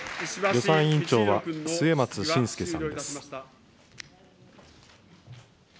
予算委員長は末松信介さんです。